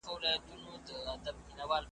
موږ یوو چې ساتو د نظريې پۀ تقدس یقین